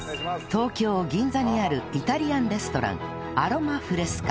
東京銀座にあるイタリアンレストランアロマフレスカ